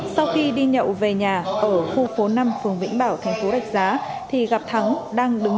sau khi đi nhậu về nhà ở khu phố năm phường vĩnh bảo thành phố rạch giá thì gặp thắng đang đứng